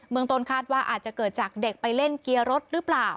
เมืองต้นคาดว่าอาจจะเกิดจากเด็กไปเล่นเกียร์รถหรือเปล่า